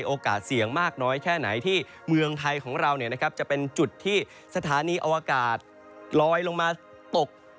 โอกาสเสี่ยงมากน้อยแค่ไหนที่เมืองไทยของเราจะเป็นจุดที่สถานีอวกาศลอยลงมาตก